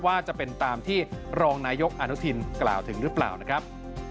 ว่าจะเป็นตามที่รองนายกอนุทินกล่าวถึงหรือเปล่านะครับ